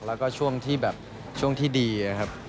แล้วก็ช่วงที่แบบช่วงที่ดีนะครับ